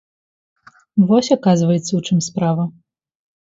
Вось, аказваецца, у чым справа!